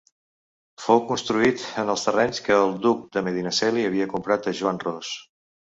Fou construït en els terrenys que el duc de Medinaceli havia comprat a Joan Ros.